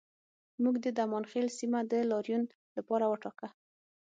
موږ د زمانخیل سیمه د لاریون لپاره وټاکه